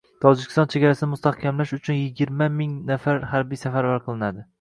Tojikiston chegarasini mustahkamlash uchunyigirmaming nafar harbiy safarbar qilinadi